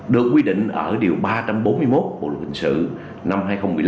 được quy định ở điều ba trăm bốn mươi một bộ luật hình sự năm hai nghìn một mươi năm